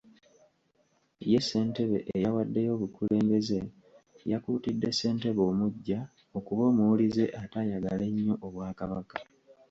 Ye Ssentebe eyawaddeyo obukulembeze yakuutidde Ssentebe omuggya okuba omuwulize ate ayagale nnyo Obwakabaka.